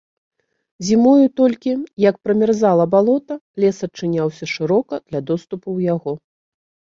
Зімою толькі, як прамярзала балота, лес адчыняўся шырока для доступу ў яго.